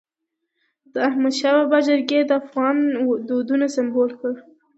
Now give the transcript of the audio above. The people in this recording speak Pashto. د احمدشاه بابا جرګي د افغان دودونو سمبول وي.